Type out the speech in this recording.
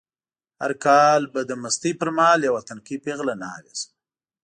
هر کال به د مستۍ په مهال یوه تنکۍ پېغله ناوې شوه.